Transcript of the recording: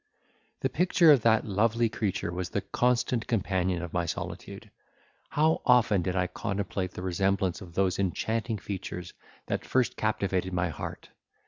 The picture of that lovely creature was the constant companion of my solitude. How often did I contemplate the resemblance of those enchanting features that first captivated my heart!